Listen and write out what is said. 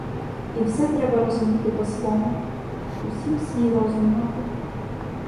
І все треба розуміти по свому, в усім свій розум мати.